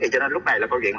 cho nên lúc này